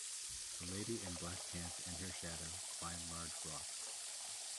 A lady in black pants and her shadow, climb large rocks.